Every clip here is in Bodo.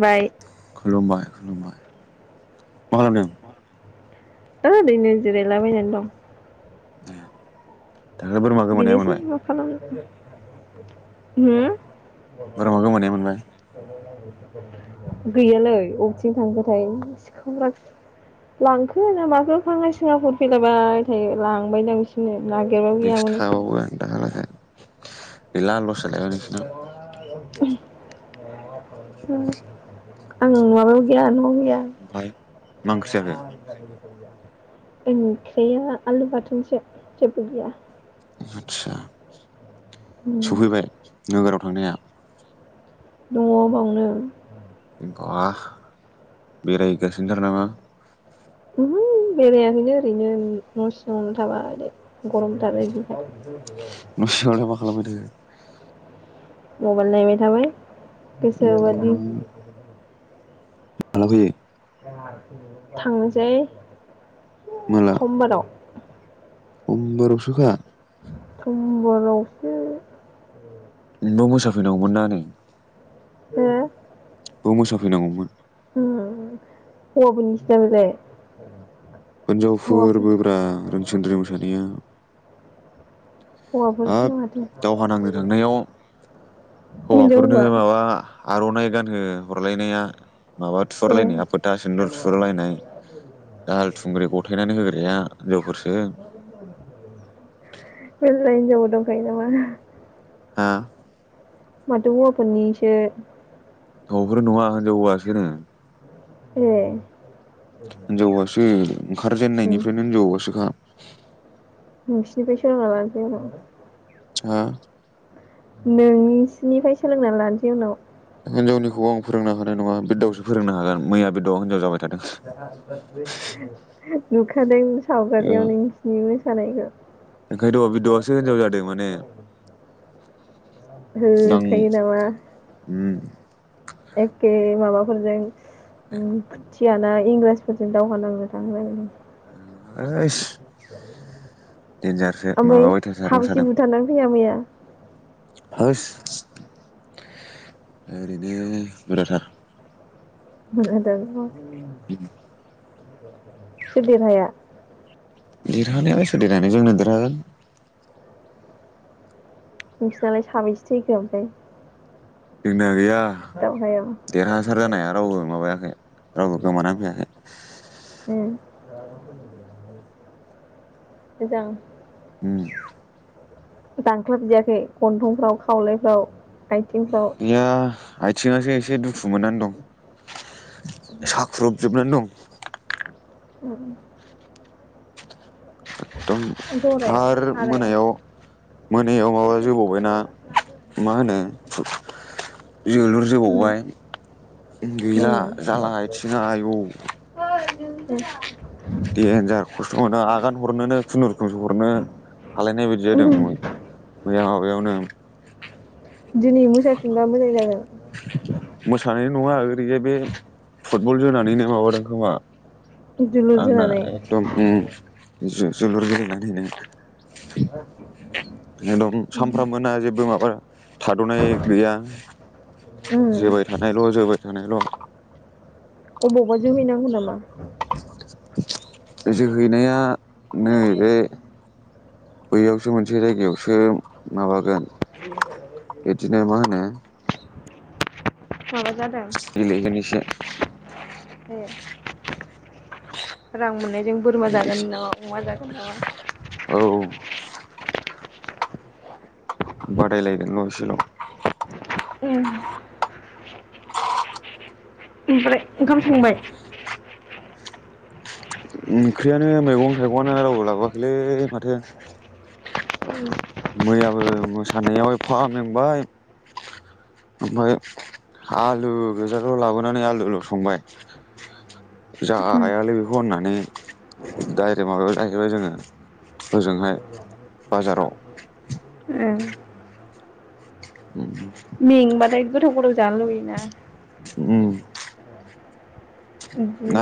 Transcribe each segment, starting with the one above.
बाय खुलुमबाय खुलुमबायबाय मा खालामदों? एरैनो जिरायलाबायना दं दाख्लै बोरमा गोमानाया बेनोसै मोनबाय मा खालामनो हम बोरमा गोमानाया मोनबाय ब गैयालै बबेथिं थांखोथाय सिखांग्रा लांखो ना माखो खांा सिङा हर फैलायबाय थायो लांबायदां बिसोरनो ना गिरबाबियामोन दाब ग द खाला आ आं माबायाव गैया नआव गैया ओमफफ्राय मांसे आरो खया आलु बााथोनस जफ गया आतसा दङ सफैबाय नोगोराव थांनाया दङ बावनो [unintelligible] बेरायगासिनो थार नामा बेरायाखैनो ओरैनो न' सिङावनो थाबा दे गरम थार ग न' सिङावलाय मा खालामबाय थाखो [unintelligible] मबाइल नायबाय थाबाय गोसोबादि मालखौयो [unintelligible] थांनोसै माला समबाराव समबारावसोखा समबारावसो न' मोसाफैनांगौमोन ना नै हो खौ मोसाफैनांगौमोन हौवाफोरनिसोदा बेलाय हिनजावफोरबोब्रा रोंसिन्द्रि मोसानाया हौवाफोरसो हाब ना माथो दावहा नांनो थांनायाव हिनजाव हौवाफोरनो हौवा माबा आर'नाइ गानहो हरलायनाया माबा ए थुहारलायनाया फोथा सेन्दुर थुहरलायनाय दाहाल थुंग्रि गथायनानै होग्राया लोगोफोर बे लाय जाब दंखायो नामा हा माथो हौवाफोरनिसो हौवाफोर नङा होनजाव हौवासो नो ए हिनजाव हौवासो उम ओंखारजेननायनिफ्रायनो हिनजाव हौवासोखा बिसनिफ्राय सोलोंना लानोसै आंहा हा नोंसिनिफ्राय सोलोंना लानोसै उनाव हिनजावनिखौ आं फोरोंनांगोन नङा बिरदावसो फोरोंनो हागोन मैया बिरदावा हिनजाव जाबाय थादों [inaudible] नुखादों सावगारियाव नोंसिनि मोसानायखौ ओंखायनोथ' बिरदावासो हिनजाव जादों माने हो नां खायो नामा उम एखे माबाफोरजों उम। थियाना इंराजफोरजों दावहा नांनो थाङो आरो। [inaudible] देनजारसो [inaudible] ओमफ्राय माबाबाय थाथारबाय साबेसे थादों बुथारनानै फैया मैया? ओरैनो बुराथार। [unintelligible] उम। [inaudible] सोर देरहाया? देरहानायालाय सोर देरहागोन जोंनो देरहागोन। नोंसिनालाय साबैसे थैखो ओमफ्राय? जोंना गैया। दावहायाव देरहासार जानाया रावबो माबायाखै रावबो गोमानानै फैयाखै। उम मोजां। उम। दानख्लाबजायाखै गन्थंफ्राव, खावलायफ्राव, आथिंफ्राव गैया आइथिङासो एसे दुखु मोननानै दं साख्रुबजोबनानै दं। उम। एकदम जरायाव आरो हारायाव मोनायाव मोनायाव माबा जोबावबायना मा होनो जोलुर उम जोबावबाय गैला उम जाला आइथिंङा आयौ। [unintelligible] देनजार खस्थ' मोनो आगान हरनोनो खुनुरुखुमसो हरनो हालायनाय बायदि जादों मै-मैया। बेयावनो। दिनै मोसाफिनबा मोजां जागोन। मोसानाय नङा ओरैहाय बे फुटबल जोनानैनो माबादों खोमा! दुलुर आंना जानानै एदम उम जोलुर गेलेला दिनै। [inaudible] एदम सानफ्रामबोना जेबो माबा थादनाय गैया उम जोबाय थानायल' जोबाय थानायल' अबावबा जोहैनांगौ नामा? जोहैनाया नै बे बैयावसो मोनसे जायगायावसो माबागोन बिदिनो मा होनो माबा जादों। ए [unintelligible] रां मोननायजों बोरमा जागोन नामा अमा जागोन नामा। औ बादायलायदों न' इसेल'। ओम ओमफ्राय ओंखाम संबाय। ओंख्रियानो मैगं थाइगंआनो रावबो लाबोखैलै माथो। मैयाबो मोसानायाव एफामेंबाय ओमफाय आलु गोजाल' लाबोनानै आलुल' संबाय जायालै बेखौ होननानै डायरे माबायाव जाहैबाय जोङो ओजोंहाय बाजाराव। [inaudible] में बाथाय। गोथाव गोथाव जानो लुगोयोना। उम।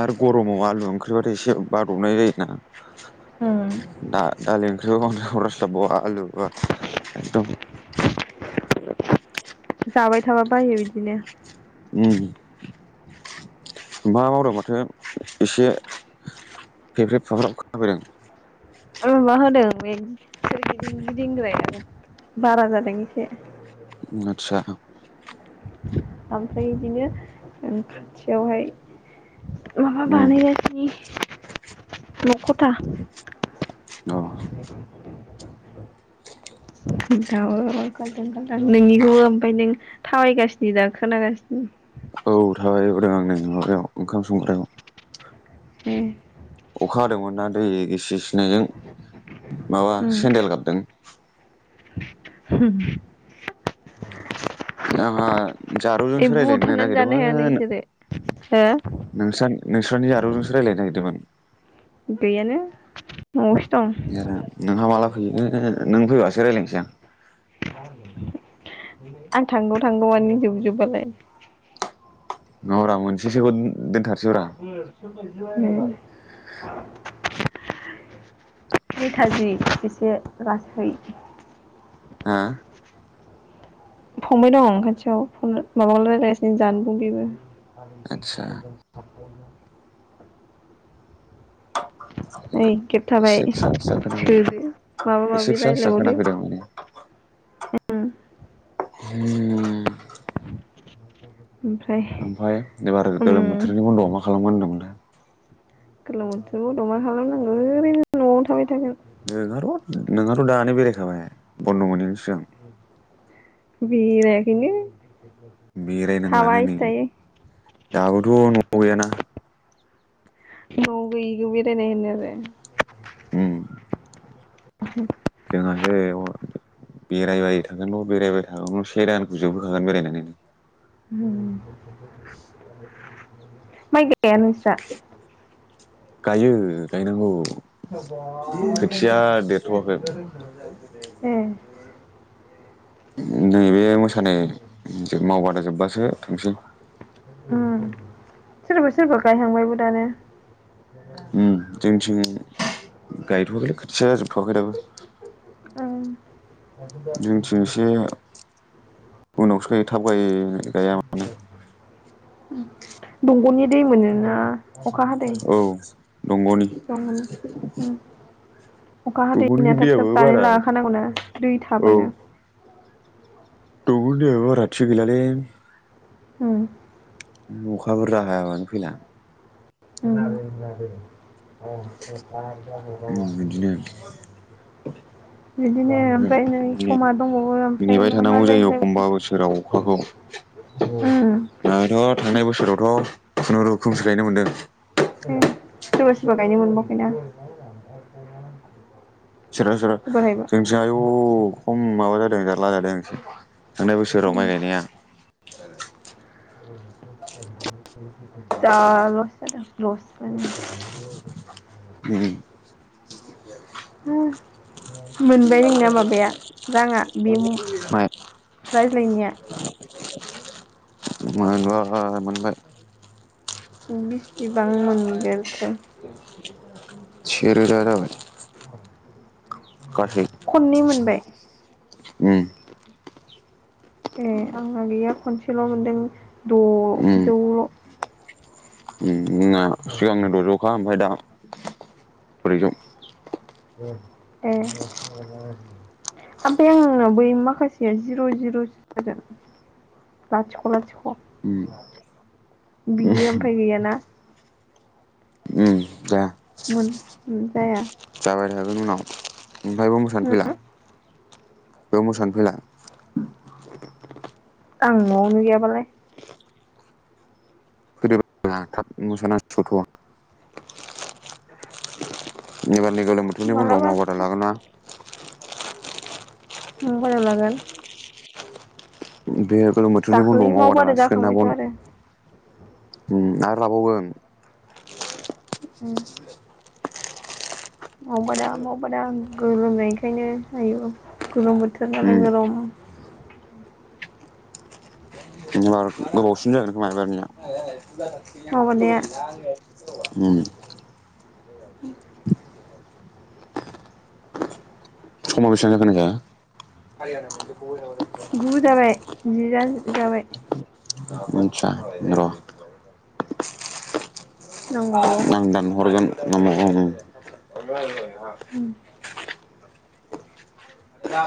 आरो गरमाव आलु ओंख्रि। फेबाथाय एसे बादबनाय जायोना। हम। दा दालि ओंख्रि हरस्लाबावा आलु बा एकदम। जाबाय थाबा बायो बिदिनो। ओम ओमफाय हराव माथो एसे फेब्रेब फाब्राब खोनाफैबैदों। ओम मा होनो बे सोर गिदिं गिदिंग्राय बारा जादों इसे। आदसा ओमफ्राय बिदिनो ओम खाथियावहाय। माबा उम बानाय गासिनि। न'खथा। अ। नोंथांआबो काल्दां गाल्दां नोंनिखौबो ओमफफ्राय नों थाबायगासिनो खोनागासिनो। औ थाबायहदों आं नै माबायाव ओंखाम संग्रायाव। ए अखा हादोंमोन ना दै इसे सिनायजों माबा ओम सेन्देल गाबदों। होम। नाङा। ए जारौजोंसो रायजलायनो बुथारनानै जानो हाया नागिरदोंमोन नोंसोरो हो नोंसा नोंस्रानि जारौ जोंसो रायज्लायनो नागिरदोंमोन। गैयानो न ए नोंहा माला फैयो? नों फैबासो रायलायनोसै आं। आं थांगौ थांगौ मानि जोबजोबबालाय। नङारा मोनसेसोखौ दोनथार। [unintelligible] उम। [inaudible] बै थाजि एसे लासै। हो। फंबाय दं खाथियाव फन माबा रायलायगासिनो जानबुं बेबो। आदसा [unintelligible] ओइ खेब एसे थाबाय फिसा फिसा खोनाफैदों सोदो माबा एसे माबि फिसा फिसा रायज्लायबावदो खोनाफैदों माने उम होम ओमफ्राय ओमफ्राय एबार उम गोलोम बोथोरनि बन्द'आव मा खालामगोन होनदोंमोनलाय? गोलोम बोथोर बद'आव मा खालामनांगो ओरैनो न'आव थाबाय थागोन। नोंहाथ' नोंहाथ' दानो बेरायखाबाय बन्द' मोनैनि सिगां। बिरायाखैनो। बेरायनांलानो नै दाबोथ' न'आव गैयाना। नआव गैयिखौ बेरायनाय होनो आरो। ओम [inaudible] जोंहासो बेरायबाय थागोनल' बेरायबाय थागोनल' से दानखौ जोबहोखागोन बेरायनानैनो। [unintelligible] ए नोंस्रा गायो गायनांगौ। खोथिया देरथ'वाखै [unintelligible] ए। नै बे मोसानाय मावबादा जोब्बासो थांसै। उ सोरबा सोरबा गायहांबायबो दानो। उ जोंथिं गायथ'वाखैलै खोथिया जौथ'वाखै दाबो। ओ। जोंनिथिं एसे [unintelligible] उनावसो गा थाब गाय गाया माने दंग'नि दै मोनोना? अखा हादै औ दंग'नि उम अखा दंग'नि हादैनिया थाब दैयाबो थाब गायनानै बारा लाखानांगौना दै औ थाबानो। दंगनि दैयाबो बारा थि गैलालै। ह। अखा बुरजा हायाबानो फैला। उम। उम बिदिनो बिदिनो ओमफ्राय नै समा दंबावो ओमफ्राय नेबाय मा मा थानांगौ जायो एखमबा बोसोराव रायज्लायनो अखाखौ उम। खुनुुरुखोमसो गायनो मोन्दों। सोरबा सोरबा गायनो मोनबावाखै ना। सोरबा सोरबा जोंनिथिं आयु खम माबा जादो। [unintelligible] थांनाय बोसोराव उम माइ गायनाया [unintelligible] जा लस जादों लस माने। [unintelligible] हम मोनबाय नोंना माबाया राङा बे मु रायज्लायनाया । [unintelligible] मोनबाया मोनबाय‌ [unintelligible] बेसिबां मोनगोरखोर सेेरो दादबाय [inaudible] खननै मोनबाय ओम ए आंना गैया खनसेल' मोनदों द'जौ [unintelligible] ओम ओं आ सिगांनो द'जौखा ओमफफ्राय दा प्रगन [unintelligible] ए ओमफ्राय आंननो बै माखासेया जिर' जिर' जादों लाथिख' लाथिख' उम बियो ओमफाय गैयाना ओ फ्ले मोन जाया जाबाय थागोन उनाव ओमफ्रायबो मोसानो फैला बेयाव मोसानो फैला आं न'आवनो गैयाबालाय फैदो थाब मोसाथ' बिब [unintelligible] गोलोम बोथोरनि बन्द'आव मालाबा मावबादा लागोना मबेलाव लागोन। [unintelligible] गोलोम बोथोरनि दाखालि बन्द'आव मावग्रा मावबादा लासिगोन ना जाखांबायथ' बन्धु? आरो ओम आरो लाबावगोन। ओम मावबा दा मावबा दां आं गोलोमनायखायनो आयु गोलुम बोथ उम [unintelligible] गोबावसिन जागोनखोमा एबारनिया। मावबादाया [unintelligible] उम उ समाव बेसेबां जाखो नायलाय? गु जाबाय जिया जाबाय दा मोनथिया र नांबावगौ आं दानहरगोन। नांबावगौ औ। औ उम,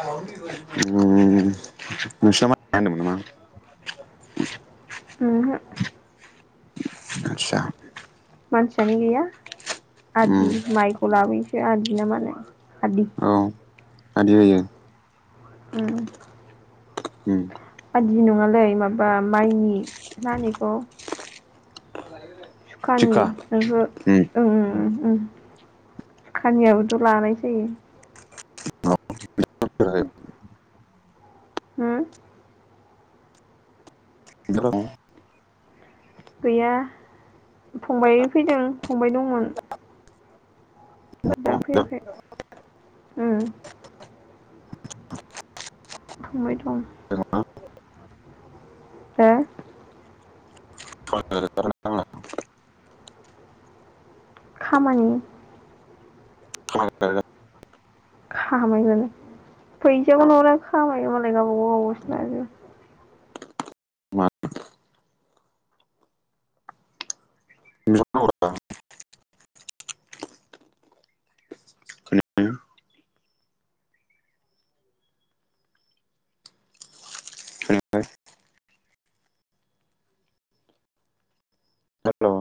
होम नोंसा माय गाया होनदोंमोन नामा? ओमहो आदसा मानसियानो गैया आदि ओम माइखौ लाबोयोसो आदि ना मानो आदि औ आदि होयो। ओम होम आदि नङालै माबा माइनि मा होनो बेखौ सुखानि थिखा ओहो ओम ओं ओं थिखानियाबोथ' लानाय जायो। औ [unintelligible] होम [unintelligible] गैया फंबाय फैदों फंबाय दंमोन। दा फैयाखै ओम थांबाय दङ। हो [unintelligible] खामानि खामायगोनो फैसाखौ नो हरा खामायो मालाय गावबा गावबागावसो लाजोबो। हेल'